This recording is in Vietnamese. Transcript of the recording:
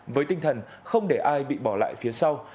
với tinh thần không để ai bị bỏ lại phía sau